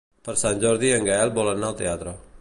Per Sant Jordi en Gaël vol anar al teatre.